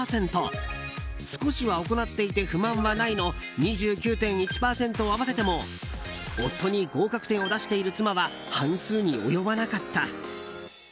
少しは行っていて不満はないの２９．１％を合わせても夫に合格点を出している妻は半数に及ばなかった。